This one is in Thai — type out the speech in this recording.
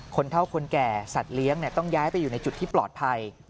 เท่าคนแก่สัตว์เลี้ยงต้องย้ายไปอยู่ในจุดที่ปลอดภัย